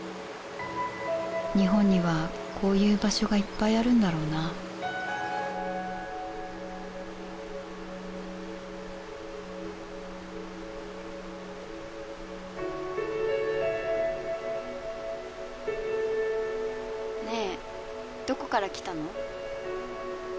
日本にはこういう場所がいっぱいあるんだろうなねぇどこから来たの？